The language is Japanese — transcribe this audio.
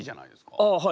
ああはい。